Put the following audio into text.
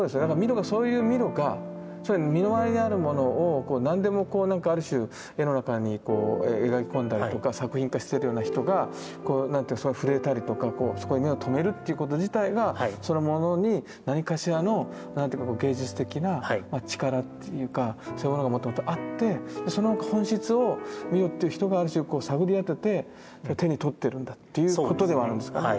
だからそういうミロが身の回りにあるものを何でもなんかある種絵の中に描き込んだりとか作品化してるような人が触れたりとかそこに目を留めるっていうこと自体がそのものに何かしらの何ていうか芸術的な力というかそういうものがもともとあってその本質をミロっていう人がある種こう探り当てて手に取ってるんだっていうことではあるんですかね。